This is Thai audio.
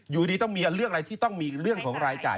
อยู่ดีต้องมีเรื่องอะไรที่ต้องมีเรื่องของรายจ่าย